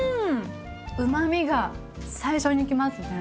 うまみが最初にきますね。